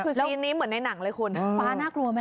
ซีนนี้เหมือนในหนังเลยคุณฟ้าน่ากลัวไหม